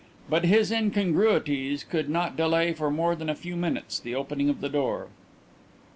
But his incongruities could not delay for more than a few minutes the opening of the door.